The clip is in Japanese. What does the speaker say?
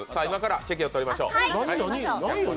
今からチェキを撮りましょう。